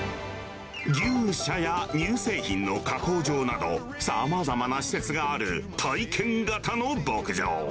牛舎や乳製品の加工場など、さまざまな施設がある体験型の牧場。